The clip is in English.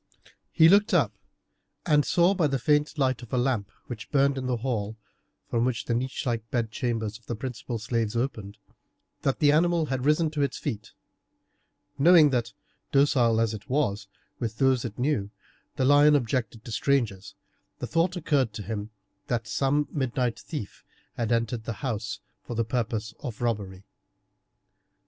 He looked up, and saw by the faint light of a lamp which burned in the hall, from which the niche like bed chambers of the principal slaves opened, that the animal had risen to its feet. Knowing that, docile as it was with those it knew, the lion objected to strangers, the thought occurred to him that some midnight thief had entered the house for the purpose of robbery.